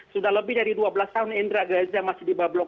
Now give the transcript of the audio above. sudah lebih dari dua belas tahun indra gaza masih di bablok